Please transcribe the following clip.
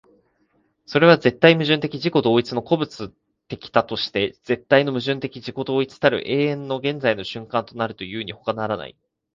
それは絶対矛盾的自己同一の個物的多として絶対の矛盾的自己同一たる永遠の現在の瞬間となるというにほかならない。